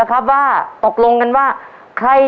ภายในเวลา๓นาที